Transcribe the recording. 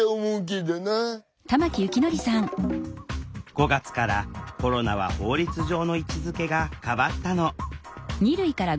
５月からコロナは法律上の位置づけが変わったの。